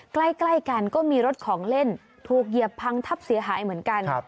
ใกล้กันก็มีรถของเล่นถูกเหยียบพังทับเสียหายเหมือนกัน